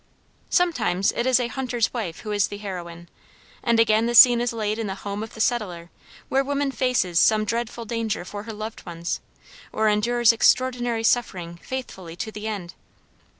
Sometimes it is a hunter's wife who is the heroine, and again the scene is laid in the home of the settler, where woman faces some dreadful danger for her loved ones, or endures extraordinary suffering faithfully to the end.